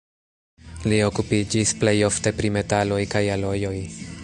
Li okupiĝis plej ofte pri metaloj kaj alojoj.